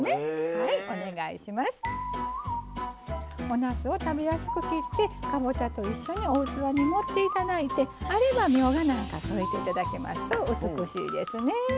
おなすを食べやすく切ってかぼちゃと一緒にお器に盛って頂いてあればみょうがなんか添えて頂けますと美しいですね。